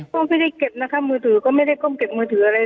ก็ไม่ได้เก็บนะคะมือถือก็ไม่ได้ก้มเก็บมือถืออะไร